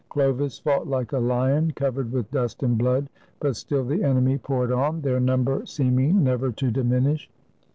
Chlovis fought like a lion, covered with dust and blood, but still the enemy poured on, their number seeming never to diminish.